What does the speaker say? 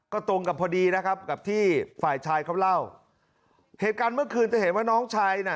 ก็ตรงกับพอดีนะครับกับที่ฝ่ายชายเขาเล่าเหตุการณ์เมื่อคืนจะเห็นว่าน้องชายน่ะ